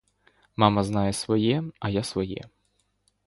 Мама знає своє, а я своє.